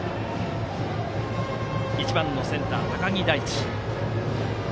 １番のセンター、高木大地。